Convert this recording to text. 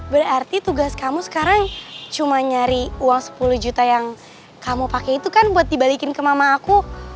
berarti tugas kamu sekarang cuma nyari uang sepuluh juta yang kamu pakai itu kan buat dibalikin ke mama aku